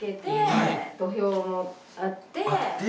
土俵もあって。